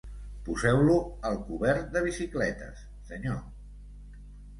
Poseu-lo al cobert de bicicletes, senyor.